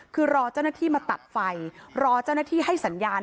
คือรอเจ้าหน้าที่มาตัดไฟรอเจ้าหน้าที่ให้สัญญาณ